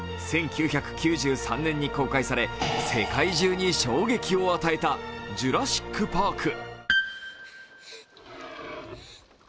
１９９３年に公開され世界中に衝撃を与えた「ジュラシック・パーク」。